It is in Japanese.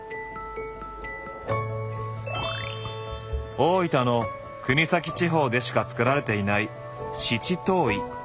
大分の国東地方でしか作られていない七島藺。